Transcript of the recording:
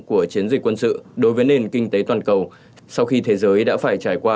của chiến dịch quân sự đối với nền kinh tế toàn cầu sau khi thế giới đã phải trải qua